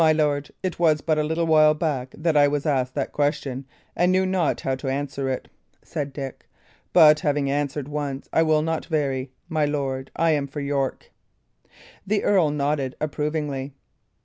"My lord, it was but a little while back that I was asked that question, and knew not how to answer it," said Dick; "but having answered once, I will not vary. My lord, I am for York." The earl nodded approvingly.